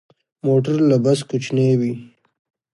موټر له بس کوچنی وي.